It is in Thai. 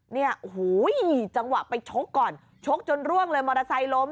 เนี่ยโอ้โหจังหวะไปชกก่อนชกจนร่วงเลยมอเตอร์ไซค์ล้ม